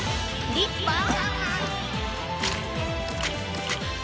リッパー！